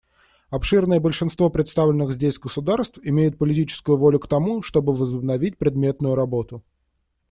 Обширное большинство представленных здесь государств имеют политическую волю к тому, чтобы возобновить предметную работу.